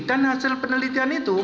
dan hasil penelitian itu